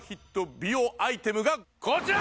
美容アイテムがこちら！